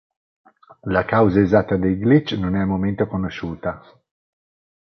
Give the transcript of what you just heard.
La causa esatta dei glitch non è al momento conosciuta.